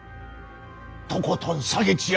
とことん下げちや！